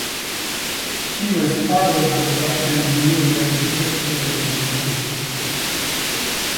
She was part of the Russian New Wave literary movement.